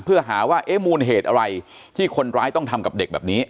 เพื่อหาว่าเอ๊ะมูลเหตุอะไรที่คนร้ายต้องทำกับเด็กแบบนี้